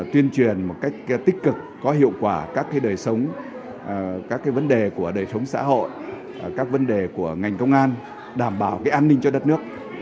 tuyên truyền một cách tích cực có hiệu quả các đời sống các vấn đề của đời sống xã hội các vấn đề của ngành công an đảm bảo an ninh cho đất nước